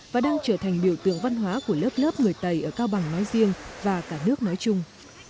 và đang trở thành biểu tượng văn hóa của lớp lớp người tây ở cao bằng nói riêng và cả nước nói chung